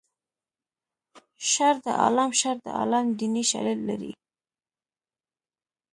شر د عالم شر د عالم دیني شالید لري